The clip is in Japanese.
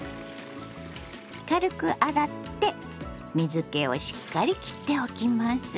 軽く洗って水けをしっかりきっておきます。